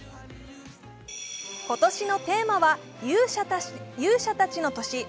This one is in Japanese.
今年のテーマは「勇者たちの年」。